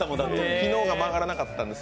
昨日は曲がらなかったんです。